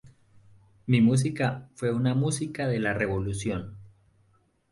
Mi música fue una música de la Revolución.